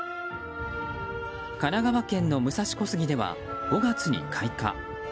神奈川県の武蔵小杉では５月に開花。